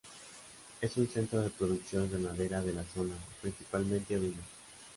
Es un centro de producción ganadera de la zona, principalmente ovina.